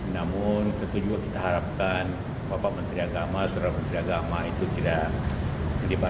namun tentu juga kita harapkan bapak menteri agama surabaya itu tidak terlibat